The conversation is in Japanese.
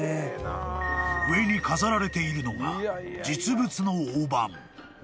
［上に飾られているのが実物の大判］